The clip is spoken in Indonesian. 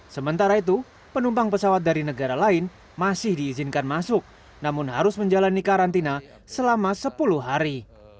sementara itu penumpang pesawat dari negara lain masih diizinkan masuk namun harus menjalani karantina selama sepuluh hari